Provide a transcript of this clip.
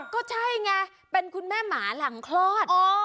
ก็ใช่ไงเป็นคุณแม่หมาหลังคลอด